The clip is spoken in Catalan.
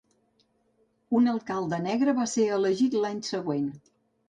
Un alcalde negre va ser elegit l'any següent.